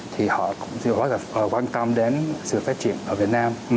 thì họ cũng rất là quan tâm đến sự phát triển ở việt nam